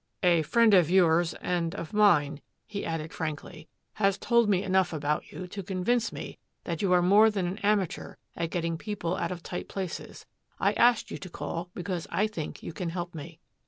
"A friend of yours, and of mine," he added frankly, "has told me enough about you to convince me that you are more than an amateur at getting people out of tight places. I asked you to call because I think you can help me."